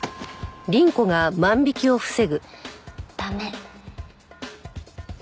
駄目。